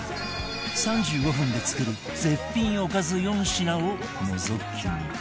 ３５分で作る絶品おかず４品をのぞき見